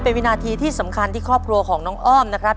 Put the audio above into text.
เป็นวินาทีที่สำคัญที่ครอบครัวของน้องอ้อมนะครับ